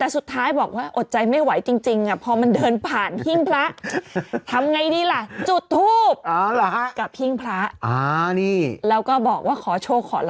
นี่เคล็ดรับง่ายง่ายเลย